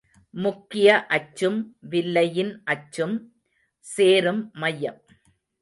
முக்கிய அச்சும் வில்லையின் அச்சும் சேரும் மையம்.